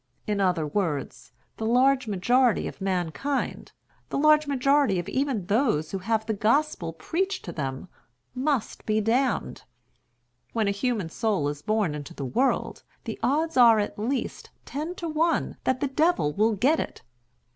In other words, the large majority of mankind, the large majority of even those who have the gospel preached to them must be damned. When a human soul is born into the world, the odds are at least ten to one that the Devil will get it.